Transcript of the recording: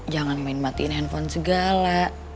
jangan main matiin handphone segala